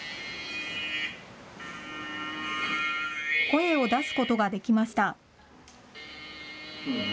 声を出すことができました。